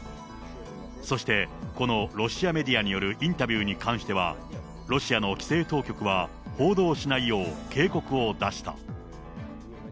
そして、このロシアメディアによるインタビューに関しては、ロシアの規制当局は、報道しないよう警告を出した。